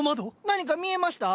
何か見えました？